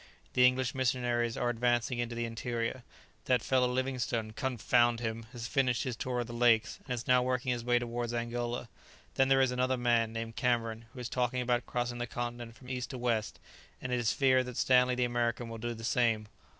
The English missionaries are advancing into the interior. That fellow Livingstone, confound him! has finished his tour of the lakes, and is now working his way towards Angola; then there is another man named Cameron who is talking about crossing the continent from east to west, and it is feared that Stanley the American will do the same.